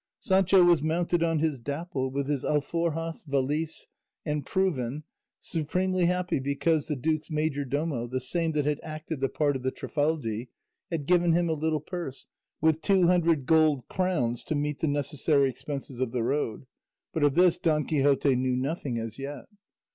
Sancho was mounted on his Dapple, with his alforjas, valise, and proven, supremely happy because the duke's majordomo, the same that had acted the part of the Trifaldi, had given him a little purse with two hundred gold crowns to meet the necessary expenses of the road, but of this Don Quixote knew nothing as yet.